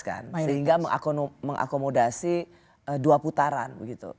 sehingga mengakomodasi dua putaran begitu